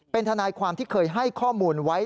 เป็นทนายความที่เคยให้ข้อมูลไว้